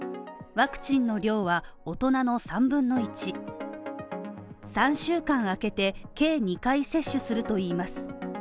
ワクチンの量は大人の３分の１３週間あけて計２回接種するといいます。